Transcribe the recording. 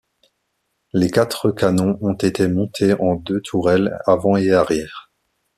Les quatre canons ont été montés en deux tourelles avant et arrière.